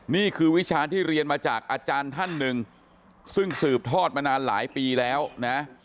วิชาที่เรียนมาจากอาจารย์ท่านหนึ่งซึ่งสืบทอดมานานหลายปีแล้วนะ